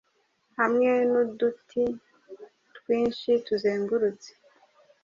hamwe nuditi twinshi tuzengurutse